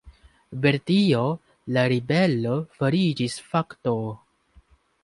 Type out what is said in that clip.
Per tio la ribelo fariĝis fakto.